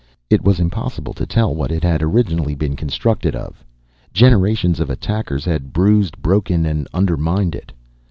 It was impossible to tell what it had originally been constructed of. Generations of attackers had bruised, broken, and undermined it.